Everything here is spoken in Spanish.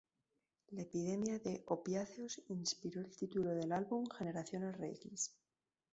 La epidemia de opiáceos inspiró el título del álbum "Generación Rx".